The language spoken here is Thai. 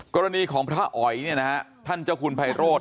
กรณีของพระอ๋อยเนี่ยนะฮะท่านเจ้าคุณไพโรธ